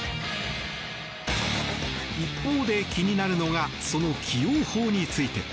一方で気になるのがその起用法について。